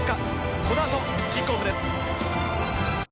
この後キックオフです。